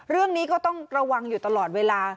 เรื่องนี้ก็ต้องระวังอยู่ตลอดเวลา